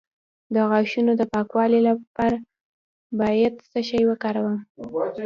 د غاښونو د پاکوالي لپاره باید څه شی وکاروم؟